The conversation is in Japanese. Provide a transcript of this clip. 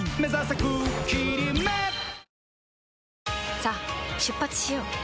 さあ出発しよう。